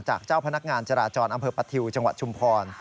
เจ้าพนักงานจราจรอำเภอปะทิวจังหวัดชุมพร